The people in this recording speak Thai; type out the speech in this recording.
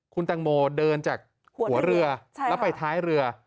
คุณแตงโมเดินจากหัวเรือแล้วไปท้ายเรือ